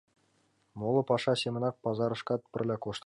Моло паша семынак пазарышкат пырля коштыт ыле.